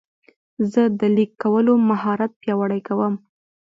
زه د لیک کولو مهارت پیاوړی کوم.